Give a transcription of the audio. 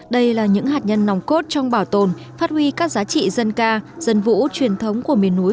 đây là những hạt nhân nòng cốt trong bảo tồn phát huy các giá trị dân ca dân vũ truyền thống của miền núi